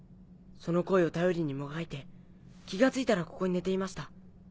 その声を頼りにもがいて気が付いたらここに寝ていました。